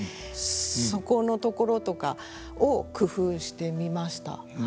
そこのところとかを工夫してみました。